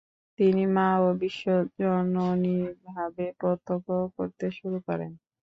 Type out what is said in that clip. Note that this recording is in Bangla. তিনি মা ও বিশ্বজননীভাবে প্রত্যক্ষ করতে শুরু করেন।